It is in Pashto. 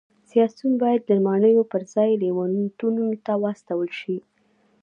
سیاسیون باید د ماڼیو پرځای لېونتونونو ته واستول شي